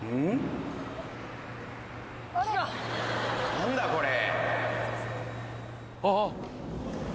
何だこれ？